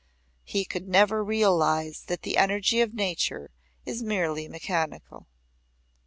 He could never realize that the energy of nature is merely mechanical."